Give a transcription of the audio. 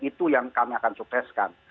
itu yang kami akan sukseskan